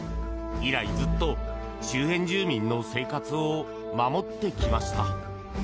以来ずっと周辺住民の生活を守ってきました。